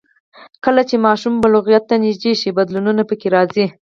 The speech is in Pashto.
کله چې ماشوم بلوغیت ته نږدې شي، بدلونونه پکې راځي.